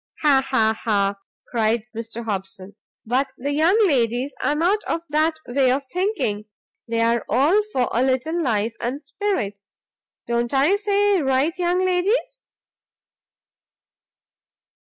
"Ha! Ha! Ha!" cried Mr Hobson; "but the young ladies are not of that way of thinking; they are all for a little life and spirit. Don't I say right, young ladies?"